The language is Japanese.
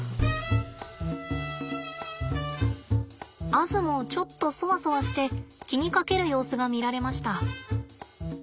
アズもちょっとそわそわして気にかける様子が見られました。